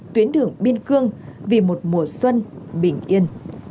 tuyến đường biên cương vì một mùa xuân bình yên